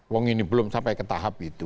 wong ini belum sampai ke tahap itu